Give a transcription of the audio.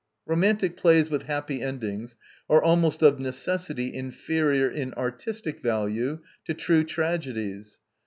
Romantic plays with happy endings are almost of necessity inferior in artistic value to true tragedies.